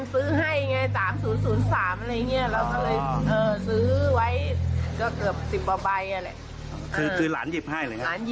คือหลานหยิบให้เลยครับหลานหยิบให้ด้วยอะไรด้วย